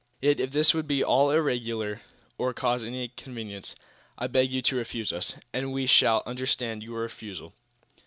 Yet, if this would be at all irregular, or cause you any inconvenience, I beg you to refuse us, and we shall understand your refusal."